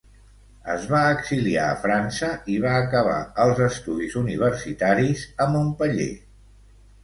Es va exiliar a França i va acabar els estudis universitaris a Montpeller.